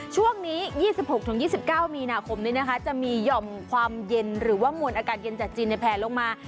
ช่วงนี้๒๖๒๙มีนาคมนี้นะคะจะมีห่อมความเย็นหรือว่ามวลอากาศเย็นจากจีนแผลลงมา